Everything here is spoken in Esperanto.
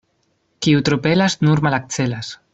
Kiu tro pelas, nur malakcelas.